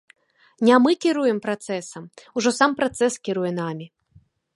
Не мы кіруе працэсам, ужо сам працэс кіруе намі.